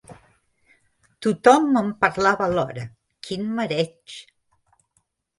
Tothom em parlava alhora: quin mareig!